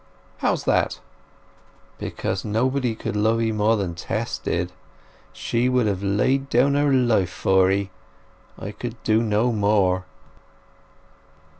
"How's that?" "Because nobody could love 'ee more than Tess did!... She would have laid down her life for 'ee. I could do no more."